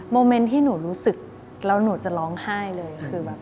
เกิดที่หนูรู้สึกแล้วถึงหนูจะร้องไห้เลย